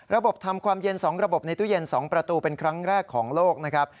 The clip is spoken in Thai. ทำความเย็น๒ระบบในตู้เย็น๒ประตูเป็นครั้งแรกของโลกนะครับ